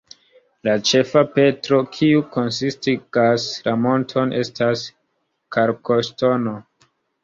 La ĉefa petro, kiu konsistigas la monton, estas kalkoŝtono.